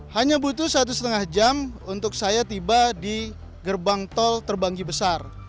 hanya butuh satu setengah jam untuk saya tiba di gerbang tol terbanggi besar